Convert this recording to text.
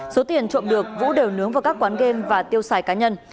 số tiền trộm được vũ đều nướng vào các quán game và tiêu xài cá nhân